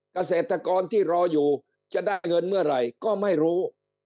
เกษตรกรที่รออยู่จะได้เงินเมื่อไหร่ก็ไม่รู้